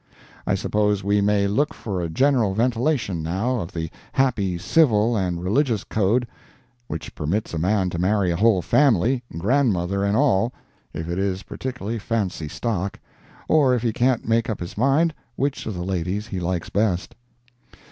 I suppose we may look for a general ventilation, now, of the happy civil and religious code which permits a man to marry a whole family, grandmother and all, if it is particularly fancy stock, or if he can't make up his mind which of the ladies he likes best.